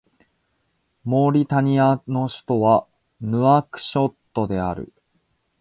モーリタニアの首都はヌアクショットである